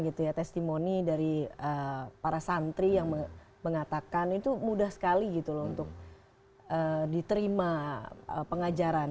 testimoni dari para santri yang mengatakan itu mudah sekali gitu loh untuk diterima pengajaran